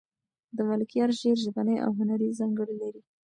د ملکیار شعر ژبنۍ او هنري ځانګړنې لري.